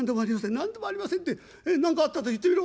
『何でもありませんって何かあったと言ってみろ』。